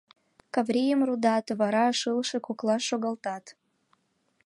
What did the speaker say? Каврийым рудат, вара шылше коклаш шогалтат.